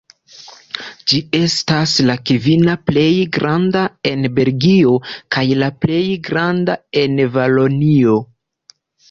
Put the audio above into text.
Ĝi estas la kvina plej granda en Belgio kaj la plej granda en Valonio.